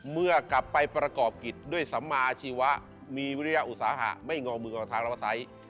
เมื่อกลับไปประกอบกิจด้วยสัมมาชีวะมีวิทยาอุตสาหะไม่งอมืองอทางแล้วก็ไซส์